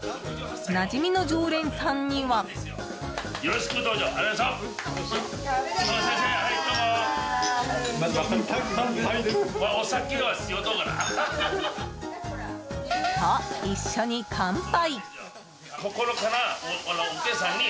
なじみの常連さんには。と、一緒に乾杯。